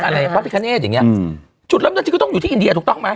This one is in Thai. อะไรวัฒนิคาเนสอย่างเงี้ยอืมชุดเริ่มที่ก็ต้องอยู่ที่อินเดียถูกต้องไหม